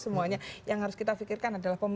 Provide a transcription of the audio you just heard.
semuanya yang harus kita pikirkan adalah